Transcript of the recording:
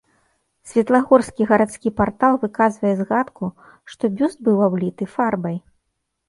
Светлагорскі гарадскі партал выказвае згадку, што бюст быў абліты фарбай.